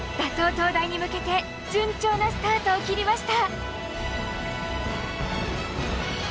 東大に向けて順調なスタートを切りました。